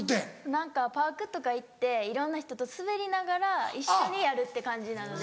何かパークとか行っていろんな人と滑りながら一緒にやるって感じなので。